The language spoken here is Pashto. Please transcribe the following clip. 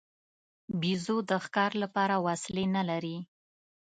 بیزو د ښکار لپاره وسلې نه لري.